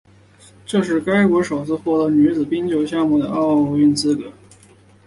这是该国首次获得女子冰球项目的奥运资格。